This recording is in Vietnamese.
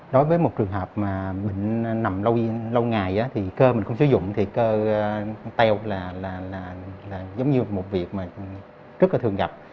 đối với một trường hợp mà bệnh nằm lâu ngày thì cơ mình không sử dụng thì cơ teo là giống như một việc rất là thường gặp